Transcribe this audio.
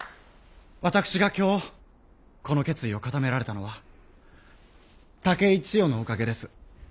私が今日この決意を固められたのは竹井千代のおかげです。